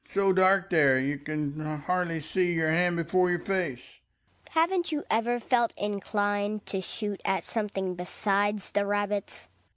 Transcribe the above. So daj;]^ there ^ y ou can hardly see your hand befo re your fa ce. Hedvig. Haven't you ever felt inclined to shoot at something besides the rabbits.